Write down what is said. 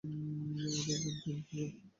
আরে, বাদ দেন তো, স্যার!